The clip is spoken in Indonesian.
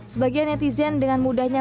sebagian netizen dengan mudahnya